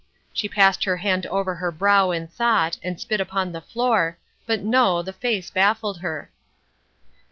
She passed her hand over her brow in thought, and spit upon the floor, but no, the face baffled her.